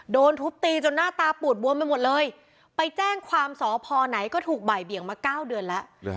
โดนทุบตีจนหน้าตาปูดบวมไปหมดเลยไปแจ้งความสพไหนก็ถูกบ่ายเบี่ยงมา๙เดือนแล้ว